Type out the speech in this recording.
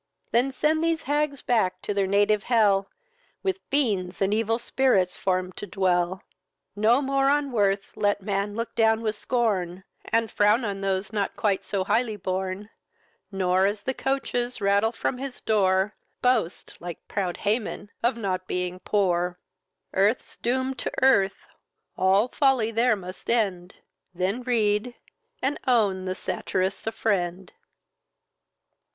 Then send these hags back to their native hell, With fiends and evil spirits formed to dwell. No more on worth let man look down with scorn, And frown on those not quite so highly born; Nor, as the coaches rattle from his door, Boast, like proud Haman, of not being poor! Earth's doom'd to earth, all folly there must end, Then read, and own the satirist a friend.